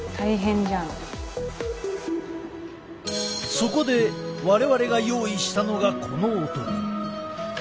そこで我々が用意したのがこの男。